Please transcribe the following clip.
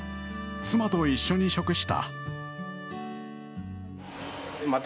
妻と一緒に食した。